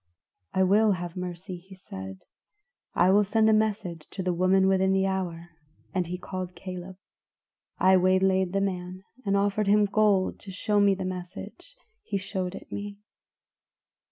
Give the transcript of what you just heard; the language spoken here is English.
"'I will have mercy,' he said. 'I will send a message to the woman within the hour,' and he called Caleb. I waylaid the man, and offered him gold to show me the message; he showed it me.